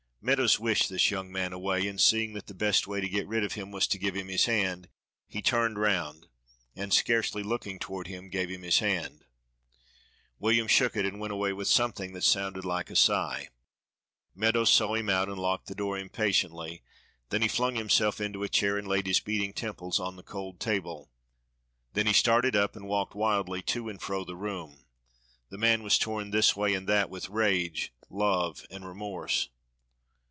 Meadows wished this young man away, and seeing that the best way to get rid of him was to give him his hand, he turned round, and, scarcely looking toward him, gave him his hand. William shook it and went away with something that sounded like a sigh. Meadows saw him out, and locked the door impatiently; then he flung himself into a chair and laid his beating temples on the cold table; then he started up and walked wildly to and fro the room. The man was torn this way and that with rage, love and remorse.